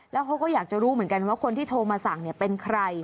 แล้วเขาก็อยากจะรู้เหมือนกันว่าคนที่โทรมาสั่งเป็นใคร